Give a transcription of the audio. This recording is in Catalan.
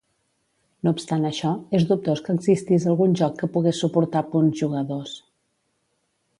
No obstant això, és dubtós que existís algun joc que pogués suportar punts jugadors.